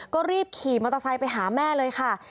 ก็รีบขี่มอเตอร์ไซค์ไปหาแม่เลยค่ะ